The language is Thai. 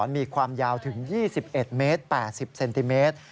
มีความยาวถึง๒๑เมตร๘๐เซนติเมตร